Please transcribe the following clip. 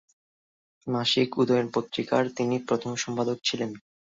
মাসিক 'উদয়ন' পত্রিকার তিনি প্রথম সম্পাদক ছিলেন।